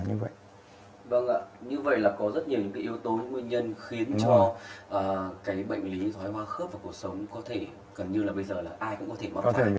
vâng ạ như vậy là có rất nhiều những cái yếu tố nguyên nhân khiến cho cái bệnh lý thoái hóa khớp và cuộc sống có thể gần như là bây giờ là ai cũng có thể mất